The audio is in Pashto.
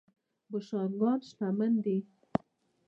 بوشونګان شتمن دي.